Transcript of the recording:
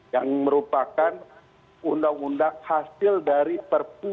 yang merupakan undang undang hasil dari perpu